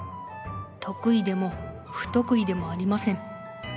得意でも不得意でもありません。